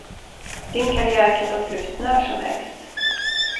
Din karriär kan ta slut när som helst.